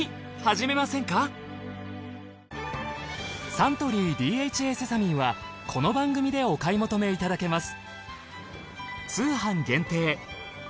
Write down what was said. サントリーＤＨＡセサミンはこの番組でお買い求めいただけます。